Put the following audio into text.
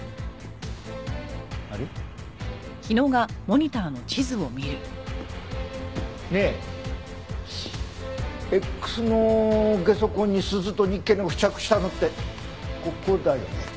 あれ？ねえＸのゲソ痕にスズとニッケルが付着したのってここだよね？